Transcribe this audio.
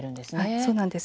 そうなんです。